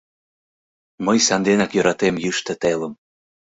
Мый санденак йӧратем йӱштӧ телым.